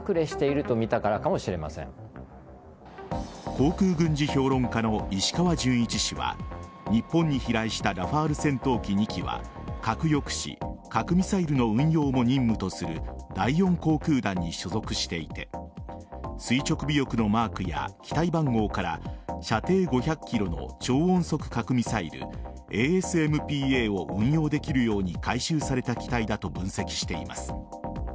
航空軍事評論家の石川潤一氏は日本に飛来したラファール戦闘機２機は核抑止、核ミサイルの運用も任務とする第４航空団に所属していて垂直尾翼のマークや機体番号から射程５００ｋｍの超音速核ミサイルＡＳＭＰＡを運用できるように改修された機体だと分析しています。